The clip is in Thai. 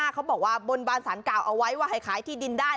เขาบอกว่าบนบานสารเก่าเอาไว้ว่าให้ขายที่ดินได้